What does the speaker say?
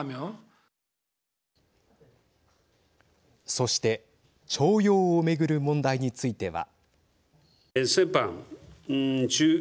そして徴用を巡る問題については。